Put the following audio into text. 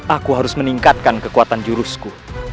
aku harus meningkatkan kekuatan jurusku